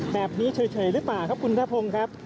แบบนี้เฉยหรือเปล่าครับคุณพระพงศ์ครับ